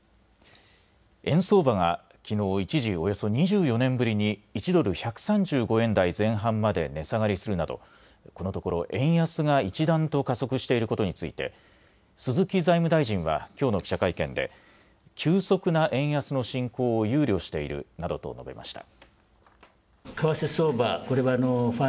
円相場がきのう一時、およそ２４年ぶりに１ドル１３５円台前半まで値下がりするなどこのところ円安が一段と加速していることについて鈴木財務大臣はきょうの記者会見で急速な円安の進行を憂慮しているなどと述べました。